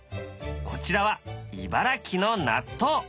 こちらは茨城の納豆。